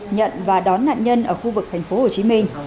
nhận và đón nạn nhân ở khu vực thành phố hồ chí minh